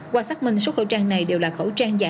qua xác minh số khẩu trang này đều là khẩu trang giả